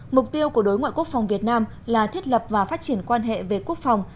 mục tiêu của đối ngoại quốc phòng việt nam là thiết lập và phát triển quan hệ về quốc phòng